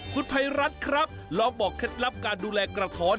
คุณภัยรัฐครับลองบอกเคล็ดลับการดูแลกระท้อน